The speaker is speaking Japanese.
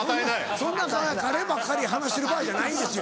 そんなカレーばっかり話してる場合じゃないんですよ。